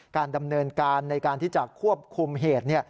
การดำเนินการในการที่จะควบคุมเหตุ